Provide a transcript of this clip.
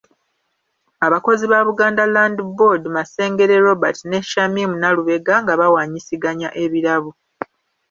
Abakozi ba Buganda Land Board Masengere Robert ne Shamim Nalubega nga bawaanyisiganya ebirabo.